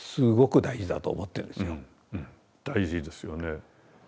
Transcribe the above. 大事ですよね。